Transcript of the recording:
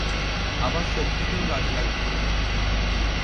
আমার শক্তিকেও কাজে লাগাতে হবে।